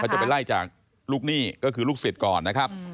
จะไปไล่จากลูกหนี้ก็คือลูกศิษย์ก่อนนะครับ